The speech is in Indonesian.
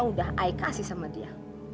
udah ayo kasih sama dia